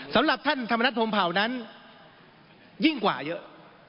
สำหรับท่านธรรมนัฐพรมเผานั้นยิ่งกว่าเยอะ